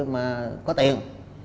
mà có tiền